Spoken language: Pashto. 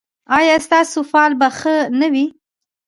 ایا ستاسو فال به ښه نه وي؟